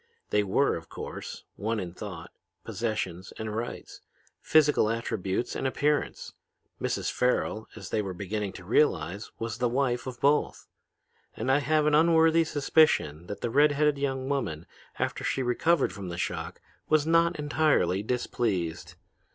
They were, of course, one in thought, possessions and rights, physical attributes and appearance. Mrs. Farrel, as they were beginning to realize, was the wife of both. And I have an unworthy suspicion that the red headed young woman, after she recovered from the shock, was not entirely displeased.